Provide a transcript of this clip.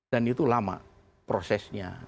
dan itu lama prosesnya